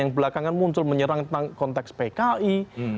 yang belakangan muncul menyerang tentang konteks pki